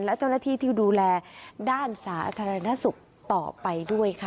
และเจ้าหน้าที่ที่ดูแลด้านสาธารณสุขต่อไปด้วยค่ะ